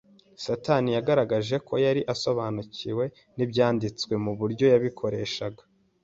Satani yagaragaje ko yari asobanukiwe n’Ibyanditswe mu buryo yabikoreshaga.